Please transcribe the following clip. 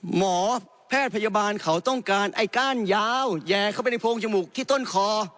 หมอแพทย์พยาบาลเขาต้องการไอ้ก้านยาวแย่เข้าไปในโพงจมูกที่ต้นคอ